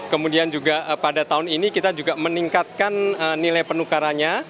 kemudian juga pada tahun ini kita juga meningkatkan nilai penukarannya